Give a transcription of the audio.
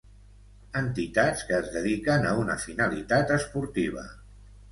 Entitats que es dediquen a una finalitat esportiva.